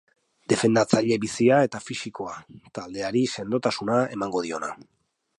Defendatzaile bizia eta fisikoa, taldeari sendotasuna emango diona.